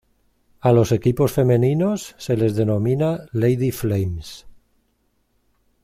A los equipos femeninos se les denomina "Lady Flames".